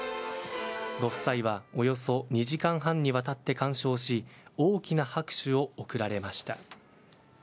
ご夫妻はおよそ２時間半にわたって鑑賞し大きな拍手を送られました。